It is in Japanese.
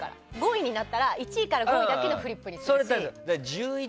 ５位になったら１位から５位だけのフリップにするし。